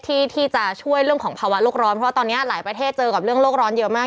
ที่จะช่วยเรื่องของภาวะโลกร้อนเพราะว่าตอนนี้หลายประเทศเจอกับเรื่องโลกร้อนเยอะมาก